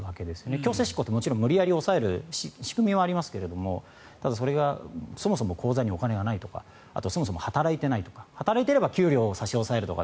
強制執行って、無理やり押さえる仕組みはありますがただ、それがそもそも口座にお金がないとかそもそも働いていないとか働いていれば給料を差し押さえるとか